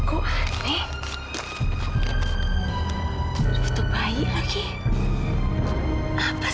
kakak pasti akan menemukan kamu merah